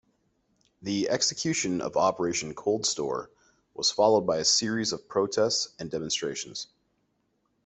The execution of Operation Coldstore was followed by a series of protests and demonstrations.